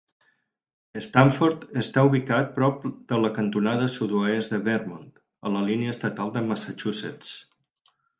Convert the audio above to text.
Stamford està ubicat prop de la cantonada sud-oest de Vermont, a la línia estatal de Massachusetts.